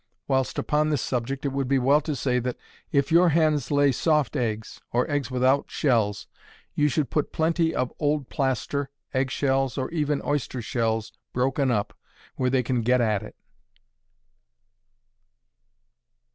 Whilst upon this subject, it would be well to say, that if your hens lay soft eggs, or eggs without shells, you should put plenty of old plaster, egg shells, or even oyster shells broken up, where they can get at it.